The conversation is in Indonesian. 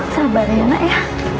sabar ya nak ya